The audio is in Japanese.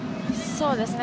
そうですね。